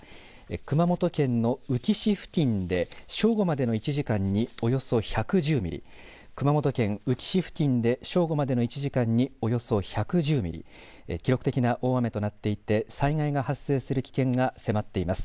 熊本県の宇城市付近で正午までの１時間におよそ１１０ミリ、熊本県宇城市付近で正午までの１時間におよそ１１０ミリ、記録的な大雨となっていて災害が発生する危険が迫っています。